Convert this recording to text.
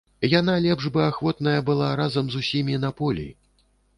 Яна лепш бы ахвотная была разам з усімі на полі.